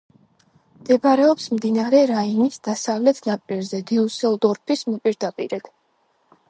მდებარეობს მდინარე რაინის დასავლეთ ნაპირზე, დიუსელდორფის მოპირდაპირედ.